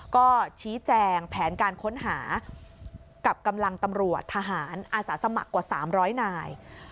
ก็ชี้แจงแผนการค้นหากับกำลังตำรวจทหารอาสาสมัครกว่า๓๐๐นาย